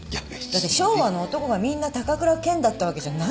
だって昭和の男がみんな高倉健だったわけじゃないでしょ？